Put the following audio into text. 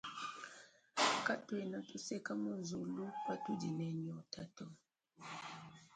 Katuena tuseka muzulu patudi ne nyotato.